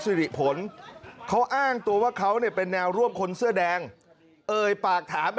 สิริผลเขาอ้างตัวว่าเขาเนี่ยเป็นแนวร่วมคนเสื้อแดงเอ่ยปากถามไป